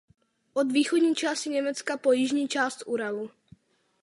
Od východní části Německa po jižní část Uralu.